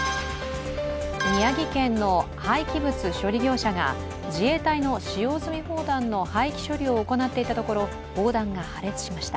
宮城県の廃棄物処理業者が自衛隊の使用済み砲弾の廃棄処理を行っていたところ砲弾が破裂しました。